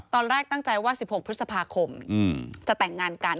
ตอนแรกตั้งใจว่า๑๖พฤษภาคมจะแต่งงานกัน